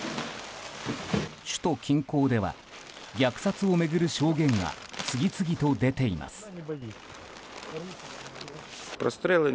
首都近郊では虐殺を巡る証言が次々と出ています。